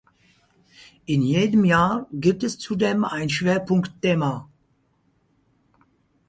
In jedem Jahr gibt es zudem ein Schwerpunktthema.